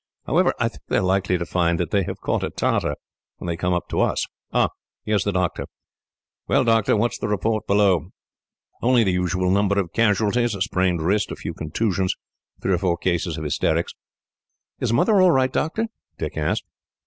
However, I think they are likely to find that they have caught a tartar, when they come up to us. "Ah! Here is the doctor. "Well, doctor, what is the report below?" "Only the usual number of casualties a sprained wrist, a few contusions, and three or four cases of hysterics." "Is Mother all right, doctor?" Dick asked.